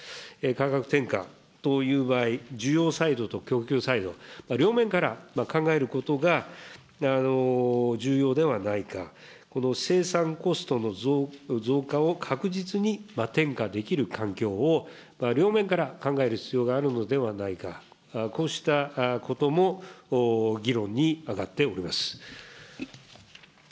価格転嫁という場合、需要サイドと供給サイド、両面から考えることが、重要ではないか、この生産コストの増加を確実に転嫁できる環境を、両面から考える必要があるのではないか、こうしたことも議論に上がっております。